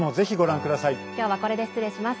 今日はこれで失礼します。